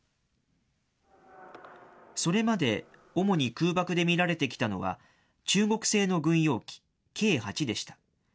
それまで主に空爆で見られてきたのは、中国製の軍用機、Ｋー８でした。